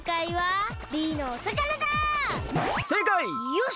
よし！